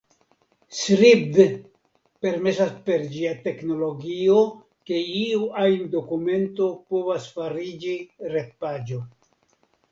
Sribd permesas per ĝia teknologio ke iu ajn dokumento povas fariĝi retpaĝo.